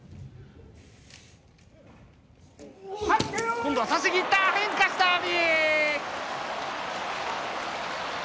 今度は差しにいった変化した阿炎！